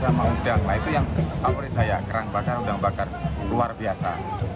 sama udang nah itu yang favorit saya kerang bakar udang bakar luar biasa